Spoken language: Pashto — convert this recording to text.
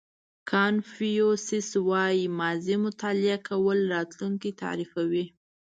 کانفیوسیس وایي ماضي مطالعه کول راتلونکی تعریفوي.